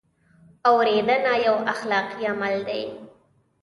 اورېدنه یو اخلاقي عمل دی.